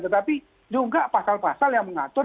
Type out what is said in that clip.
tetapi juga pasal pasal yang mengatur